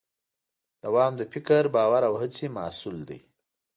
دوام د فکر، باور او هڅې محصول دی.